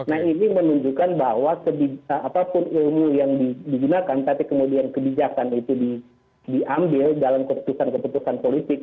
nah ini menunjukkan bahwa apapun ilmu yang digunakan tapi kemudian kebijakan itu diambil dalam keputusan keputusan politik